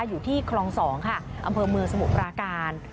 อยู่ที่คลอง๒ค่ะอำเภอเมืองสมุทรปราการ